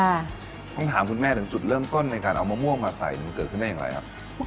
ต้องถามคุณแม่ถึงจุดเริ่มต้นในการเอามะม่วงมาใส่มันเกิดขึ้นได้อย่างไรครับ